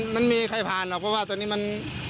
ไม่มีใครผ่านหรอกเพราะว่าตอนนี้มัน